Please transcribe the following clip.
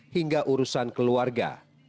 hingga urusan keluarga